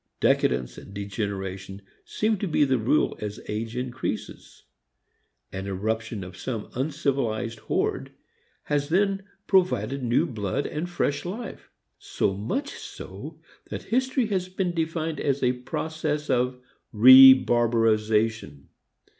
Decadence and degeneration seems to be the rule as age increases. An irruption of some uncivilized horde has then provided new blood and fresh life so much so that history has been defined as a process of rebarbarization.